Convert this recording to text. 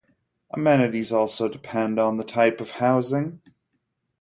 Amenities also depend on the type of housing.